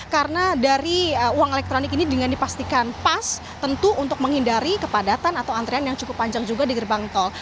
karena dari uang elektronik ini dengan dipastikan pas tentu untuk menghindari kepadatan atau antrian yang cukup panjang juga di gerbang tol